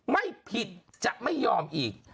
ไม่ผิดจะไม่ยอมอีก